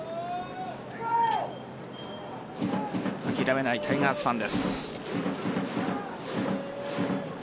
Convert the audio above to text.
諦めないタイガースファンです。